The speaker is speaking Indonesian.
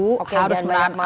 oke jangan banyak maunya